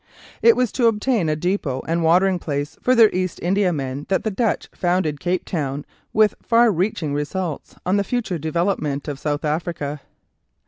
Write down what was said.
It was to obtain a depot and watering place for their East Indiamen that the Dutch founded Cape Town, with far reaching results on the future development of South Africa.